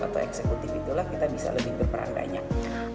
atau eksekutif itulah kita bisa lebih berperan banyak